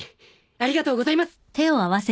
ありがとうございます！